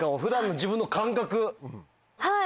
はい！